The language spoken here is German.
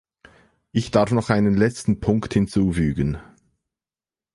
Ich darf noch einen letzten Punkt hinzufügen.